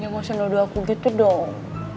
gak usah nodo aku gitu dong